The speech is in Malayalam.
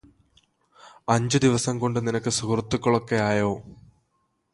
അഞ്ചുദിവസം കൊണ്ട് നിനക്ക് സുഹൃത്തുക്കളൊക്കെയായോ